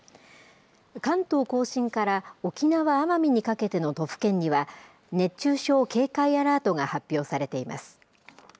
関東甲信から沖縄・奄美にかけての都府県には、熱中症警戒アラートが発表されています。